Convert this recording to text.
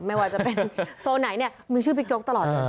ไม่ว่าจะเป็นโซนไหนเนี่ยมีชื่อบิ๊กโจ๊กตลอดเลย